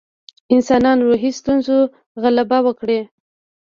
انسانان روحي ستونزو غلبه وکړي.